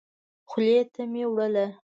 خولې ته مي وړله .